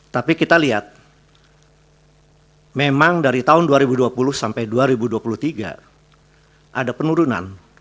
tapi kita lihat memang dari tahun dua ribu dua puluh sampai dua ribu dua puluh tiga ada penurunan